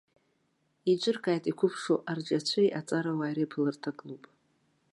Еиҿыркааит иқәыԥшу арҿиацәеи аҵарауааи реиԥыларҭа клуб.